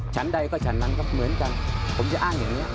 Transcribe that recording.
ฉันใดก็ฉันนั้นก็เหมือนกันผมจะอ้างอย่างนี้